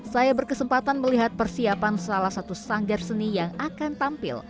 saya berkesempatan melihat persiapan salah satu sanggar seni yang akan tampil